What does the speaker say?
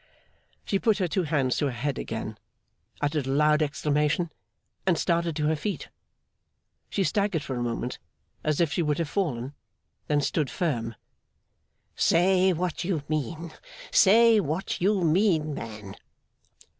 She put her two hands to her head again, uttered a loud exclamation, and started to her feet. She staggered for a moment, as if she would have fallen; then stood firm. 'Say what you mean. Say what you mean, man!